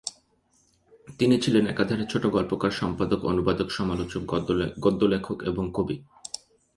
তিনি ছিলেন একাধারে ছোটগল্পকার, সম্পাদক, অনুবাদক, সমালোচক, গদ্যলেখক এবং কবি।